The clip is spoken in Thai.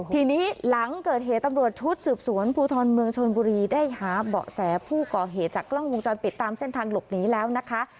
ทีนี้หลังเกิดเหตุตำรวจชุดสืบสวนภูทรเมืองชนบุรีได้หาเบาะแสผู้ก่อเหตุจากกล้องวงจรปิดตามเส้นทางหลบหนีแล้วนะคะ